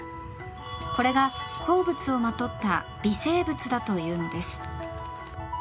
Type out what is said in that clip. これが鉱物をまとった微生物だというのです。